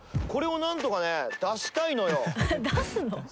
これを何とかね出したいのよ。